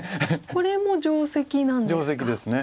これも定石なんですか。